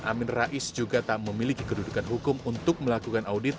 amin rais juga tak memiliki kedudukan hukum untuk melakukan audit